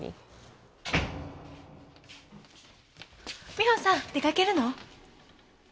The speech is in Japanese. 美帆さん出かけるの？